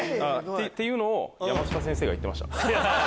っていうのを山下先生が言ってました。